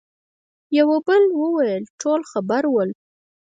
يوه بل وويل: ټول خبر ول.